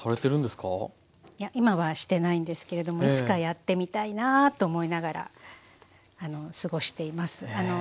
いや今はしてないんですけれどもいつかやってみたいなぁと思いながら過ごしています。